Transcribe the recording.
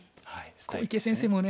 小池先生もね